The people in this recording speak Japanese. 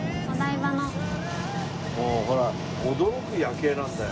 もうほら驚く夜景なんだよ。